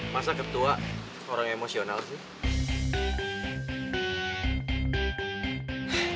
masa ketua orang emosional sih